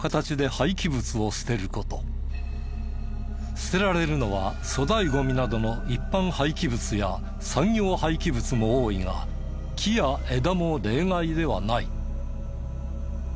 捨てられるのは粗大ゴミなどの一般廃棄物や産業廃棄物も多いが木や枝も例外ではない。